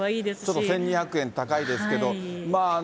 ちょっと１２００円高いですけど。